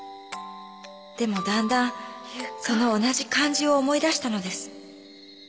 でもだんだんその同じ感じを思い出したのです。